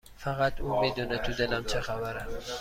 فقط اون میدونه تو دلم چه خبره